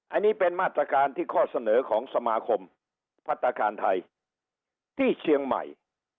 อันนี้เป็นมาตรการที่ข้อเสนอของสมาคมพัฒนาคารไทยที่เชียงใหม่